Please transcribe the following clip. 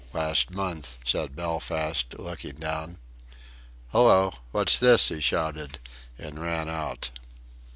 last month," said Belfast, looking down. "Hallo! What's this?" he shouted and ran out.